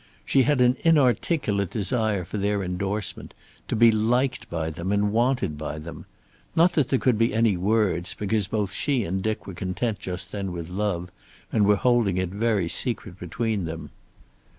She had an inarticulate desire for their endorsement, to be liked by them and wanted by them. Not that there could be any words, because both she and Dick were content just then with love, and were holding it very secret between them.